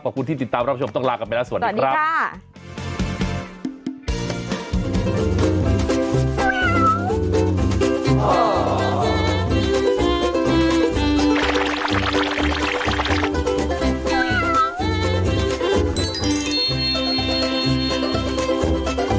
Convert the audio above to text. ขอบคุณที่ติดตามรับชมต้องลากันไปแล้วสวัสดีครับ